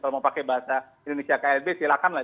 kalau mau pakai bahasa indonesia klb silakan lah